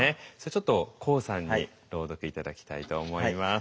ちょっとＫＯＯさんに朗読頂きたいと思います。